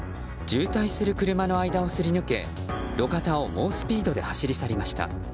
渋滞する車の間をすり抜け路肩を猛スピードで走り去りました。